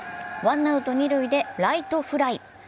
ワンアウト二塁でライトフライ。